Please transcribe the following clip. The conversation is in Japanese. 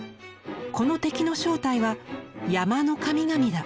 この敵の正体は『山の神々』だ！！」。